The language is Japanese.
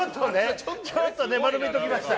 ちょっとね、丸めときました。